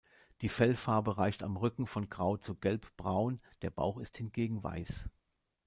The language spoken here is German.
Die Fellfarbe reicht am Rücken von grau zu gelbbraun, der Bauch ist hingegen weiß.